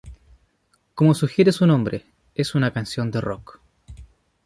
Como sugiere su nombre, es una canción de rock.